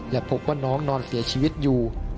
และพบว่าน้องนอนเสียชีวิตอยู่